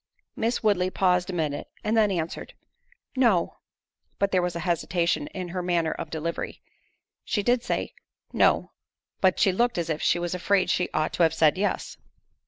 Miss Woodley paused a minute, and then answered, "No:"—but there was a hesitation in her manner of delivery—she did say, "No:" but she looked as if she was afraid she ought to have said "Yes."